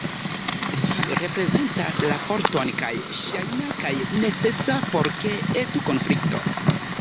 Ĝi reprezentas la forton kaj ŝajna kaj necesa por ke estu konflikto.